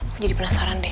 aku jadi penasaran deh